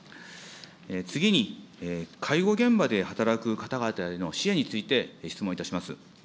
次に、介護現場で働く方々への支援について質問いたします。